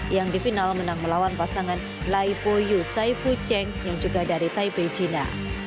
yang di final menang melawan pasangan laipo yu saifu cheng yang juga dari taipei cina